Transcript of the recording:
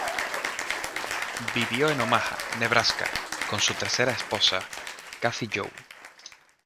Vivió en Omaha, Nebraska, con su tercera esposa, Kathy Joe.